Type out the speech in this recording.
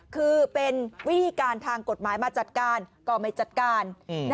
คือเป็นวิธีการทางกฎหมายมาจัดการก็ไม่จัดการ